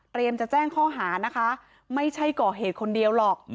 จะแจ้งข้อหานะคะไม่ใช่ก่อเหตุคนเดียวหรอก